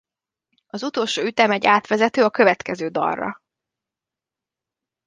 Az utolsó ütem egy átvezető a következő dalra.